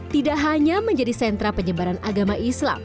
tidak hanya menjadi sentra penyebaran agama islam